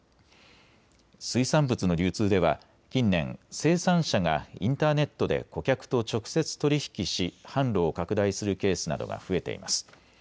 水産物の流通では近年、生産者がインターネットで顧客と直接取り引きし販路を拡大するケースなどが増えています。